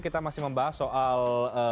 kita masih membahas soal